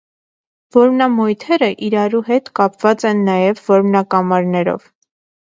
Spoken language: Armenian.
Որմնամոյթերը իրարու հետ կապուած են նաեւ որմնակամարներով։